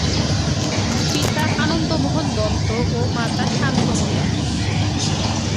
পিতা আনন্দমোহন দত্ত ও মাতা শান্তমণি।